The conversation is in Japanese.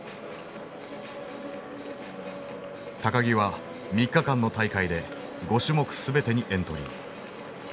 木は３日間の大会で５種目全てにエントリー。